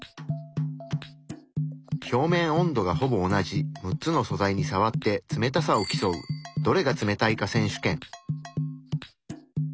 表面温度がほぼ同じ６つの素材にさわって冷たさを競う「どれが冷たいか選手権」。